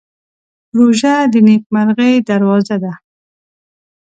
روژه د نېکمرغۍ دروازه ده.